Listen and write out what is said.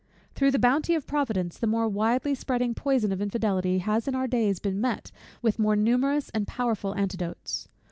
Through the bounty of Providence, the more widely spreading poison of infidelity has in our days been met with more numerous and more powerful antidotes.